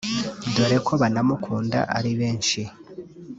dore ko banamukunda ari benshi